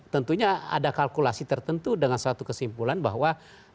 tentunya ada kalkulasi tertentu dengan suatu kesimpulan bahwa